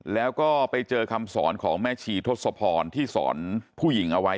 แล้วก็ไปเจอคำสอนของแม่ชีทศพรที่สอนผู้หญิงเอาไว้